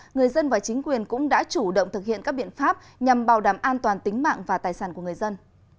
người dân và chính quyền cũng đã chủ động thực hiện các biện pháp nhằm bảo đảm an toàn tính mạng và tài sản của người dân